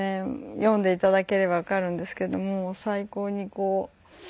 読んでいただければわかるんですけどもう最高にこう。